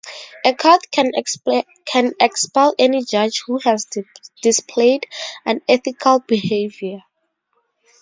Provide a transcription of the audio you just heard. A Court can expel any judge who has displayed unethical behavior.